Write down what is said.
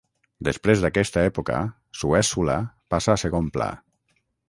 Després d'aquesta època, Suèssula passa a segon pla.